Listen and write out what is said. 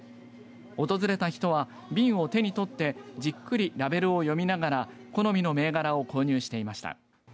訪れた人は瓶を手に取ってじっくりラベルを読みながら好みの銘柄を購入していました。